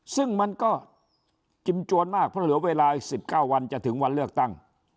ซึ่งมันก็จิ้มจวนมากเพราะเหลือเวลา๑๙วันจะถึงวันเลือกตั้ง